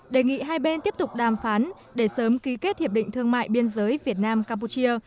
đề nghị hai bên tiếp tục đàm phán để sớm ký kết hiệp định thương mại biên giới việt nam campuchia